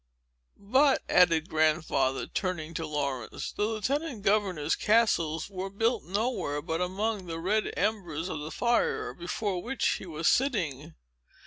"But," added Grandfather, turning to Laurence, "the Lieutenant Governor's castles were built nowhere but among the red embers of the fire, before which he was sitting.